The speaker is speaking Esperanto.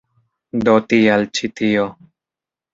Do tial ĉi tio.